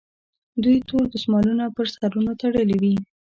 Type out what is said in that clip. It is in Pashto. دوی تور دستمالونه پر سرونو تړلي وي.